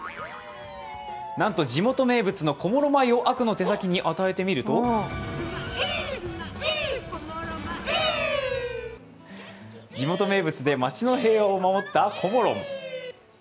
なんと地元名物の小諸米を悪の手先に与えてみると地元名物で街の平和を守ったこもろん。